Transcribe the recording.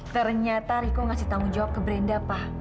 ternyata riko ngasih tanggung jawab ke brenda apa